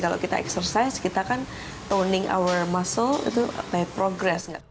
kalau kita eksersis kita kan toning our muscle itu by progress